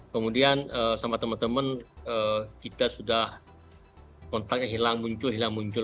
kemudian sama teman teman kita sudah kontaknya hilang muncul hilang muncul